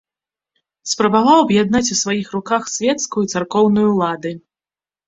Спрабаваў аб'яднаць у сваіх руках свецкую і царкоўную ўлады.